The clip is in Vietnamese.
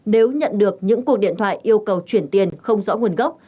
nếu nhận được những cuộc điện thoại yêu cầu chuyển tiền không rõ nguồn gốc